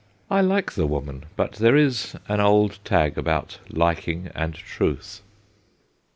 I like the woman, but there is an old tag about liking and truth.